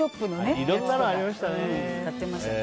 いろんなのありましたね。